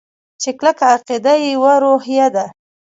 چې کلکه عقیده يوه روحیه ده.